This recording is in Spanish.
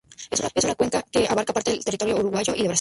Es una cuenca que abarca parte del territorio uruguayo y de Brasil.